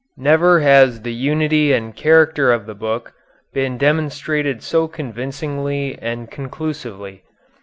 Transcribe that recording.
Never has the unity and character of the book been demonstrated so convincingly and conclusively.